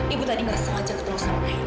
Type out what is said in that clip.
ibu tadi merasa sengaja ketawa sama saya